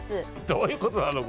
どういうことなの？